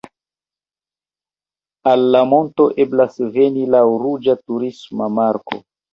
Al la monto eblas veni laŭ ruĝa turisma marko.